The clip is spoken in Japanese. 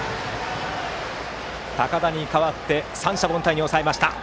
高田に代わって三者凡退に抑えました。